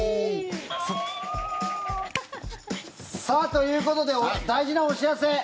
さあ、ということで大事なお知らせ。